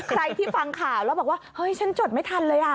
ใครที่ฟังข่าวแล้วบอกว่าเฮ้ยฉันจดไม่ทันเลยอ่ะ